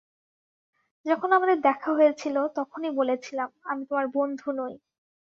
যখন আমাদের দেখা হয়েছিল তখনই বলেছিলাম, আমি তোমার বন্ধু নই।